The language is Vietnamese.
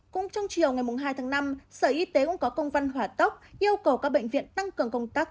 cũng trong chiều ngày hai tháng năm sở y tế cũng có công văn hỏa tốc yêu cầu các bệnh viện tăng cường công tác